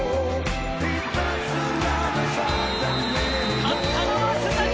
勝ったのは須崎！